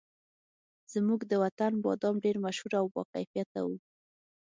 زموږ د وطن بادام ډېر مشهور او باکیفیته وو.